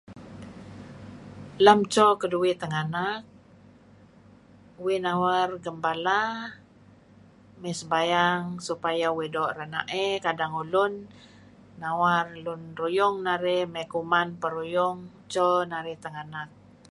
Lem dto keduih tinganak uih nawar gembala sembayang ngekuh mutuh uih doo' rena'ey , lun ruyung narih mey kuman peruyung dto narih tinganak.